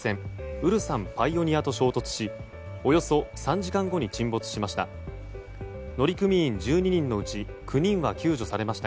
「ウルサン・パイオニア」と衝突しおよそ３時間後に沈没しました。